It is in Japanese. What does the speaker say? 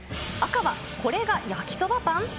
赤は、これが焼きそばパン？